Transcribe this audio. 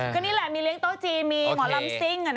ก็นี่แหละมีเลี้ยโต๊ะจีนมีหมอลำซิ่ง